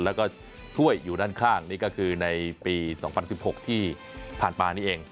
แล้วก็ถ้วยอยู่ด้านข้างนี่ก็คือในปี๒๐๑๖ที่ผ่านมานี่เอง